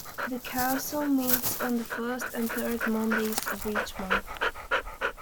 The council meets on the first and third Mondays of each month.